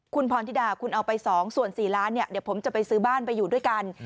คุณพรธิดาคุณเอาไป๒ส่วน๔ล้านเนี่ยเดี๋ยวผมจะไปซื้อบ้านไปอยู่ด้วยกัน